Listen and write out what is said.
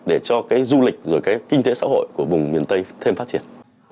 để cho cái du lịch rồi cái kinh tế xã hội của vùng miền tây thêm phát triển